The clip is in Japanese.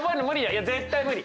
いや絶対無理。